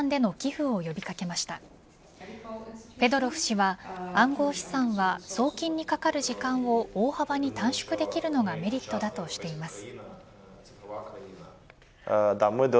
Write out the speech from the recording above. フェドロフ氏は暗号資産は送金にかかる時間を大幅に短縮できるのがメリットだとしています。